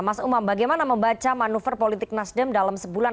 mas umam bagaimana membaca manuver politik nasdem dalam sebulan